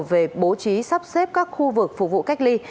về bố trí sắp xếp các khu vực phục vụ cách ly